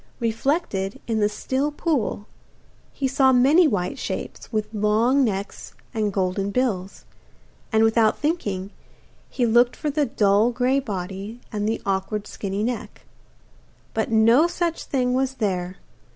Reflected in the still pool he saw many white shapes, with long necks and golden bills, and, without thinking, he looked for the dull grey body and the awkward skinny neck. But no such thing was there.